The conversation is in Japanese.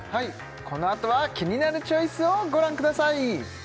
このあとは「キニナルチョイス」をご覧ください